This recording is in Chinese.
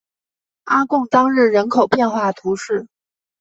阿贡当日人口变化图示